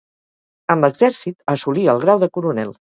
En l'exèrcit assolí el grau de coronel.